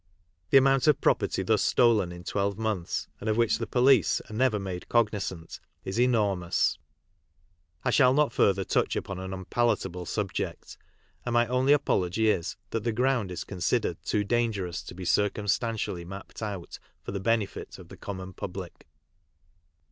Tkf amount of property thus stolen in 12 months, and ot which the police are never made cognisant, h enormous. I shall not further touch upon an un palateable subject, and my only apologv is that tire ground is considered too dangerous to' be circum stantially mapped out for the benefit of the common public CRIMINAL MANCHESTER— PEANSGATE DENS.